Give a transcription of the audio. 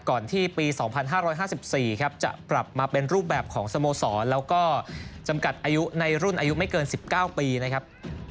ก่อนที่ปี๒๕๕๔ครับจะปรับมาเป็นรูปแบบของสโมสรแล้วก็จำกัดอายุในรุ่นอายุไม่เกิน๑๙ปีนะครับ